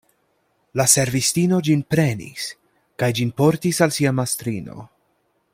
La servistino ĝin prenis kaj ĝin portis al sia mastrino.